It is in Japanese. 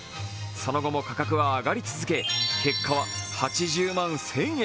その後も価格は上がり続け、結果は８０万１０００円。